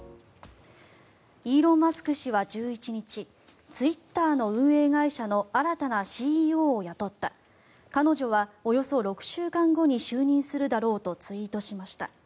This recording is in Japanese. イーロン・マスク氏は１１日ツイッターの運営会社の新たなＣＥＯを雇った彼女はおよそ６週間後に就任するだろうとツイートしました。